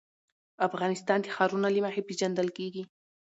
افغانستان د ښارونه له مخې پېژندل کېږي.